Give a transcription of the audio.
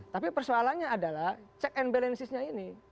tapi persoalannya adalah check and balances nya ini